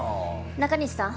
中西さん